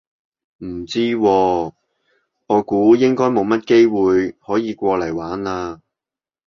唔知喎，我估應該冇乜機會可以過嚟玩嘞